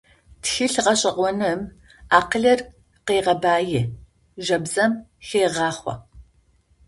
Тхылъ гъэшӏэгъоным акъылыр къегъэбаи, жабзэм хегъахъо.